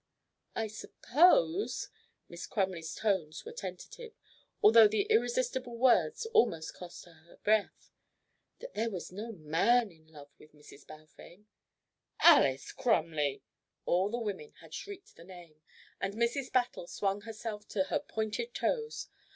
"I suppose" Miss Crumley's tones were tentative, although the irresistible words almost cost her her breath "that there was no man in love with Mrs. Balfame?" "Alys Crumley!" All the women had shrieked the name, and Mrs. Battle swung herself to her pointed toes.